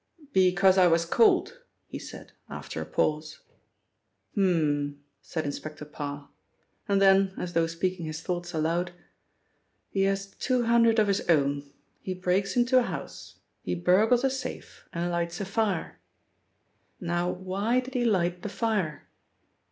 "Because I was cold," he said after a pause. "H'm," said Inspector Parr, and then as though speaking his thoughts aloud, "he has two hundred of his own, he breaks into a house, he burgles a safe and lights a fire. Now, why did he light the fire?